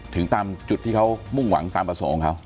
ถึงตามจุดที่เขามุ่งหวังตามประสงค์เขา